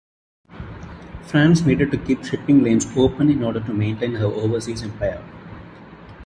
France needed to keep shipping lanes open in order to maintain her overseas empire.